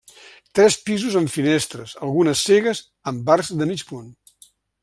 Tres pisos amb finestres, algunes cegues amb arcs de mig punt.